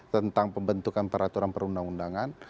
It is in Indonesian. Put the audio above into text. tentang pembentukan peraturan perundang undangan